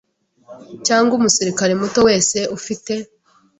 cyangwa umusirikare muto wese ufite